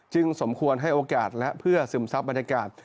สมควรให้โอกาสและเพื่อซึมซับบรรยากาศ